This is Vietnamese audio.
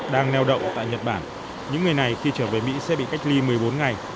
đang neo đậu tại nhật bản những người này khi trở về mỹ sẽ bị cách ly một mươi bốn ngày